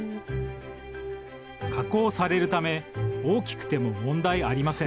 加工されるため大きくても問題ありません。